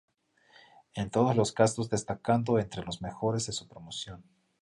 En todos los casos, destacando entre los mejores de su promoción.